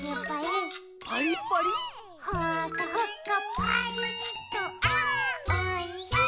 「ほかほかパリッとあーおいしい！」